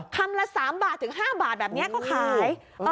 คำละ๓บาทถึง๕บาทแบบนี้ก็ขาย